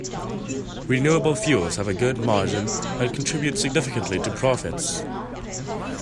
Renewable fuels have a good margin and contribute significantly to profits.